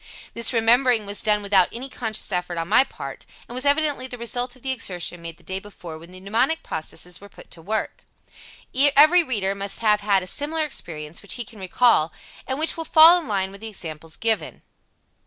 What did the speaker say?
This remembering was done without any conscious effort on my part, and was evidently the result of the exertion made the day before when the mnemonic processes were put to work. Every reader must have had a similar experience which he can recall, and which will fall in line with the examples given.